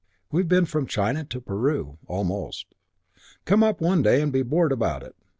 We've been from China to Peru almost. Come up one day and be bored about it.